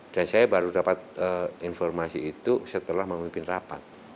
dan saya baru dapat informasi itu setelah memimpin rapat